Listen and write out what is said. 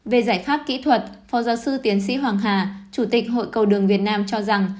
về giải pháp kỹ thuật phó giáo sư tiến sĩ hoàng hà chủ tịch hội cầu đường việt nam cho rằng